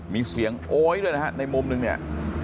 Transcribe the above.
มีเสียงโอ๊ยด้วยนะฮะในมุมนึงเนี่ย